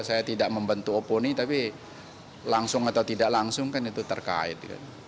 saya tidak membentuk oponi tapi langsung atau tidak langsung kan itu terkait